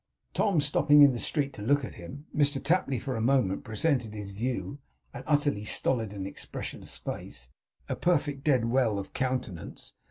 Tom stopping in the street to look at him, Mr Tapley for a moment presented to his view an utterly stolid and expressionless face; a perfect dead wall of countenance.